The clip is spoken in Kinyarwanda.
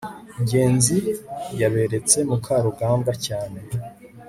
ngenzi yaberetse mukarugambwa cyane